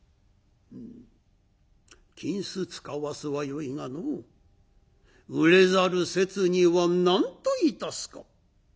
「うん金子使わすはよいがのう売れざる節には何といたすか？」。